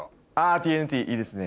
ＴＮＴいいですね